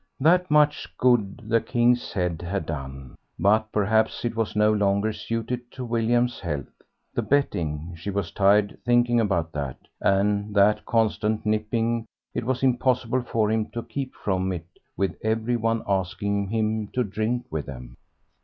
That much good the "King's Head" had done. But perhaps it was no longer suited to William's health. The betting, she was tired thinking about that; and that constant nipping, it was impossible for him to keep from it with every one asking him to drink with them.